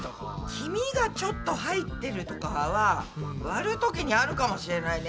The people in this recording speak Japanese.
黄身がちょっと入ってるとかは割るときにあるかもしれないね。